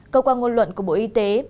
công quan ngôn luận của bộ y tế